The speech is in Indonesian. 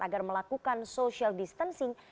agar melakukan social distancing